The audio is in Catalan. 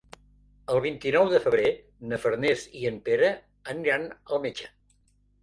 El vint-i-nou de febrer na Farners i en Pere aniran al metge.